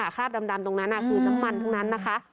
คราบดำตรงนั้นคือน้ำมันทั้งนั้นนะคะ